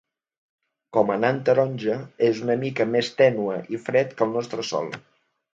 Com a nan taronja, és una mica més tènue i fred que el nostre Sol.